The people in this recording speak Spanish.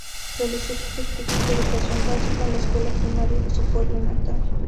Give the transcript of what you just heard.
Realizó sus estudios de educación básica en la escuela primaria de su pueblo natal.